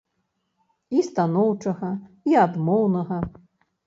І станоўчага, і адмоўнага.